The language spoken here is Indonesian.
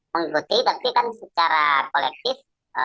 mengikuti tapi kan secara kolektif